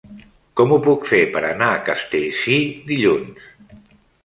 Com ho puc fer per anar a Castellcir dilluns?